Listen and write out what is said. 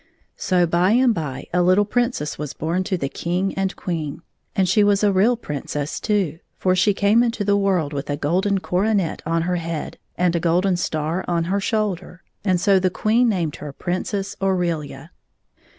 So by and by a Uttle Princess was bom to the King and Queen. And she was a real Princess too, for she came into the world with a golden coronet on her head and a golden star on her shoulder, and so the Queen named her Pj incess Aurelia.